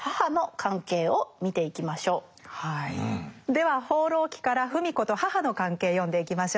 では「放浪記」から芙美子と母の関係読んでいきましょう。